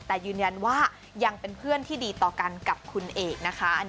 แต่ยืนยันว่ายังเป็นเพื่อนที่ดีต่อกันกับคุณเอกนะคะ